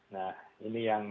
nah ini yang